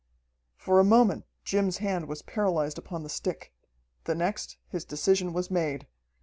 For a moment Jim's hand was paralysed upon the stick. The next, his decision was made.